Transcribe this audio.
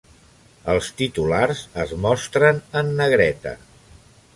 Els titulars es mostren en negreta.